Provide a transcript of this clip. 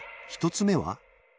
１つ目は？